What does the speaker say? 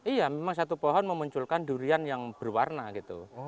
iya memang satu pohon memunculkan durian yang berwarna gitu